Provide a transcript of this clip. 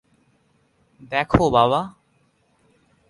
দেখো, বাবা।